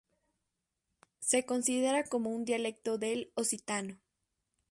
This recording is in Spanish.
Se considera como un dialecto del occitano.